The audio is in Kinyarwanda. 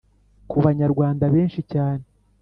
ku banyarwanda benshi cyane